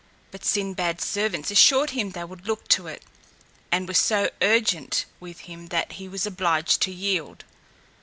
But Sinbad's servants assured him they would look to it, and were so urgent with him, that he was obliged to yield.